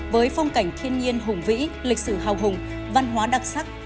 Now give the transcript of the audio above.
với phong cảnh thiên nhiên hùng vĩ lịch sử hào hùng văn hóa đặc sắc